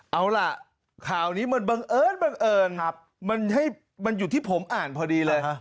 เอาล่ะข่าวนี้มันบังเอิญมันอยู่ที่ผมอ่านพอดีเลย